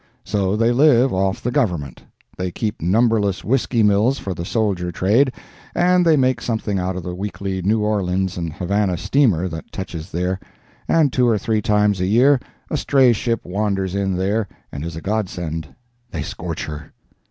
So they live off the Government; they keep numberless whiskey mills for the soldier trade, and they make something out of the weekly New Orleans and Havana steamer that touches there; and two or three times a year a stray ship wanders in there, and is a godsend. They scorch her!